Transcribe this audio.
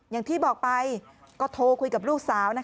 อย่างที่บอกไปก็โทรคุยกับลูกสาว